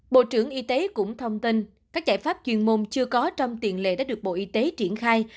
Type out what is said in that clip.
bộ trưởng y tế cũng thông tin các giải pháp chuyên môn chưa có trong tiền lệ đã được bộ y tế triển khai